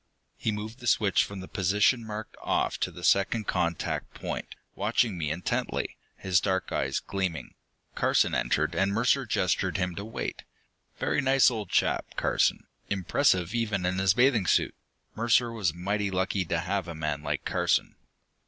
He moved the switch from the position marked "Off" to the second contact point, watching me intently, his dark eyes gleaming. Carson entered, and Mercer gestured to him to wait. Very nice old chap, Carson, impressive even in his bathing suit. Mercer was mighty lucky to have a man like Carson....